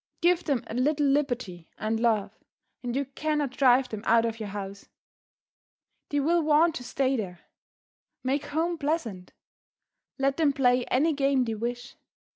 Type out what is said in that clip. Give them a little liberty and love, and you can not drive them out of your house. They will want to stay there. Make home pleasant. Let them play any game they wish.